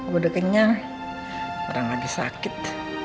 gue udah kenyang orang lagi sakit